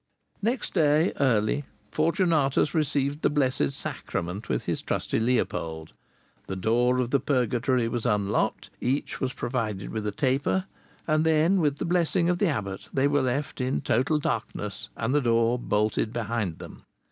Next day early, Fortunatus received the Blessed Sacrament with his trusty Leopold; the door of the Purgatory was unlocked, each was provided with a taper, and then with the blessing of the abbot they were left in total darkness, and the door bolted behind them.